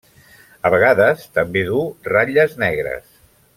A vegades també duu ratlles negres.